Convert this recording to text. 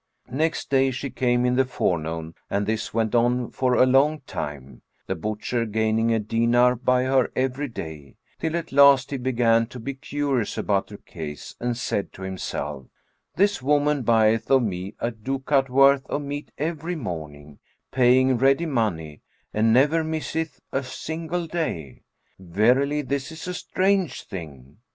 Next day she came in the forenoon and this went on for a long time, the butcher gaining a dinar by her every day, till at last he began to be curious about her case and said to himself, "This woman buyeth of me a ducat worth of meat every morning, paying ready money, and never misseth a single day. Verily, this is a strange thing!"